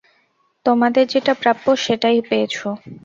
তোমাদের যেটা প্রাপ্য সেটাই পেয়েছ।